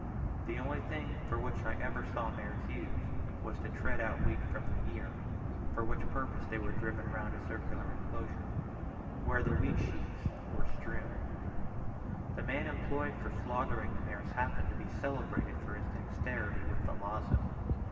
The only thing for which I ever saw mares used, was to tread out wheat from the ear, for which purpose they were driven round a circular enclosure, where the wheat sheaves were strewed. The man employed for slaughtering the mares happened to be celebrated for his dexterity with the lazo.